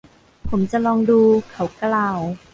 ผมจะลองดู เขากล่าว